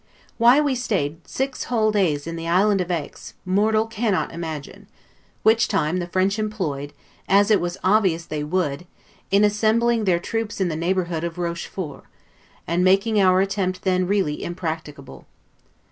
Why we stayed six whole days in the island of Aix, mortal cannot imagine; which time the French employed, as it was obvious they would, in assembling their troops in the neighborhood of Rochfort, and making our attempt then really impracticable.